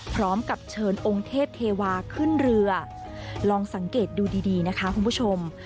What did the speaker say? พร้อมกับเชิญองค์เทพเทวาขึ้นเรือลองสังเกตดูดีดีนะคะคุณผู้ชม